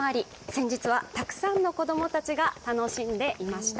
先日はたくさんの子供たちが楽しんでいました。